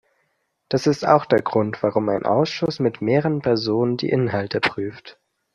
Das ist auch der Grund, warum ein Ausschuss mit mehreren Personen die Inhalte prüft.